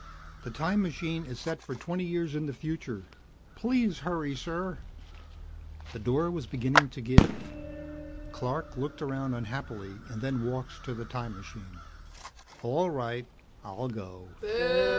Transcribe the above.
"The time machine is set for twenty years in the future. Please hurry, sir!" The door was beginning to give. Clark looked around unhappily and then walked to the time machine. "All right, I'll go.